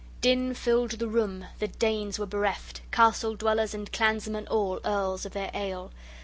Din filled the room; the Danes were bereft, castle dwellers and clansmen all, earls, of their ale.